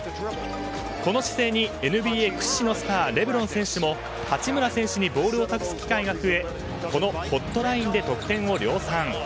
この姿勢にＮＢＡ屈指のスターレブロン選手も八村選手にボールを託す機会が増えこのホットラインで得点を量産。